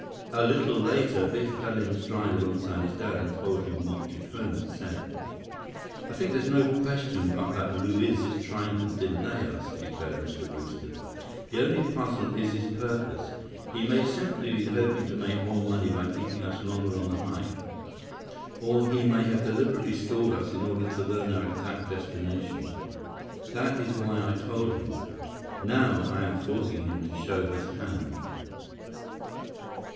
A little later, Biff fell in stride alongside his dad and told him what Jacome had said. "I think there's no question but that Luiz is trying to delay us," declared Mr. Brewster. "The only puzzle is his purpose. He may simply be hoping to make more money by keeping us longer on the hike. Or he may have deliberately stalled us in order to learn our exact destination. That is why I told him. Now, I am forcing him to show his hand."